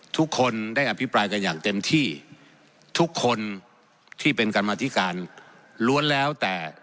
ทุกคนได้อภิปรายกันอย่างเต็มที่ทุกคนที่เป็นกรรมธิการล้วนแล้วแต่